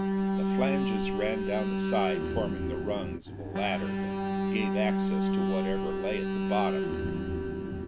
The flanges ran down the side forming the rungs of a ladder that gave access to whatever lay at the bottom.